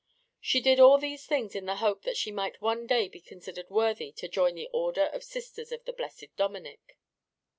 She did all these things in the hope that she might one day be considered worthy to join the order of Sisters of the Blessed Dominic.